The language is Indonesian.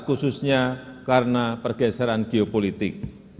khususnya karena pergeseran geopolitik